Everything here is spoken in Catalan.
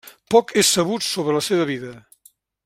Poc és sabut sobre la seva vida.